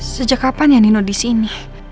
sejak kapan ya nino disini